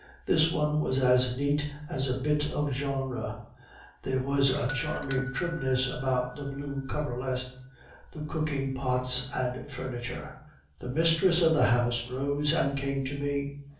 This one was as neat as a bit of genre; there was a charming trimness about the blue coverlet, the cooking pots and furniture. The mistress of the house rose and came to me.